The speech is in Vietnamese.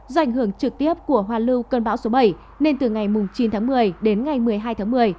do ảnh hưởng trực tiếp của hoa lưu cơn bão số bảy nên từ ngày chín tháng một mươi đến ngày một mươi hai tháng một mươi